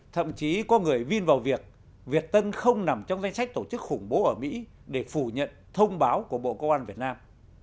thậm chí có người vin vào việc việt tân không nằm trong danh sách tổ chức khủng bố ở mỹ để phủ nhận thông báo của bộ công an việt nam